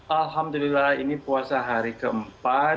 alhamdulillah ini puasa hari keempat